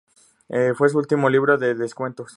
Fue su último libro de cuentos.